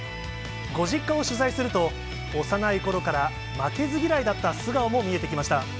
ご実家を取材すると、幼いころから負けず嫌いだった素顔も見えてきました。